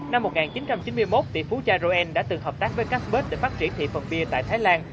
năm một nghìn chín trăm chín mươi một tỷ phú charoen đã từng hợp tác với casper để phát triển thị phần bia tại thái lan